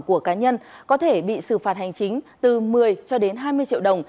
của cá nhân có thể bị xử phạt hành chính từ một mươi cho đến hai mươi triệu đồng